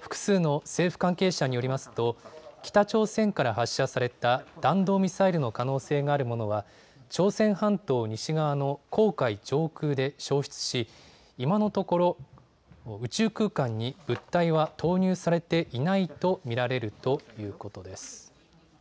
複数の政府関係者によりますと北朝鮮から発射された弾道ミサイルの可能性があるものは朝鮮半島西側の黄海上空で消失し、今のところ宇宙空間に物体を投入されていないと見られるということです。